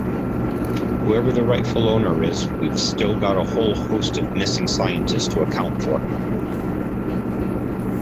Whoever the rightful owner is we've still got a whole host of missing scientists to account for.